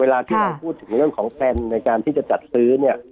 เวลาที่เราพูดถึงเรื่องของแพลนในการที่จะจัดซื้อเนี่ย